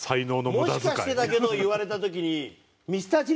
『もしかしてだけど』を言われた時に。